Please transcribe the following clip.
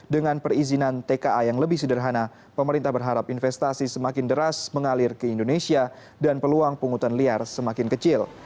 dengan perizinan tka yang lebih sederhana pemerintah berharap investasi semakin deras mengalir ke indonesia dan peluang penghutan liar semakin kecil